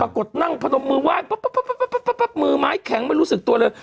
ปรากฏนั่งพนมมือไหว้ปุ๊บมือไม้แข็งไม่รู้สึกตัวเลย